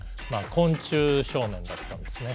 昆虫少年だったんですね。